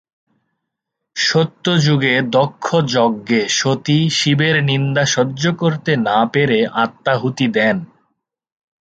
সত্য যুগে দক্ষ যজ্ঞে সতী শিবের নিন্দা সহ্য করতে না পেরে আত্মাহুতি দেন।